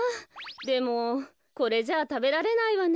でもこれじゃあたべられないわね。